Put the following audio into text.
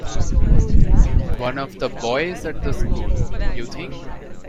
One of the boys at the school, you think?